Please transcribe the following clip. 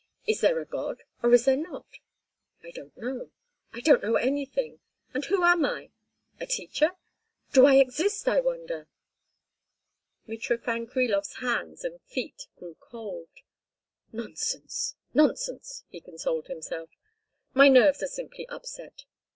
"Is there a God, or is there not? I don't know. I don't know anything. And who am I—a teacher? Do I exist, I wonder?" Mitrofan Krilov"s hands and feet grew cold. "Nonsense! Nonsense!" he consoled himself. "My nerves are simply upset.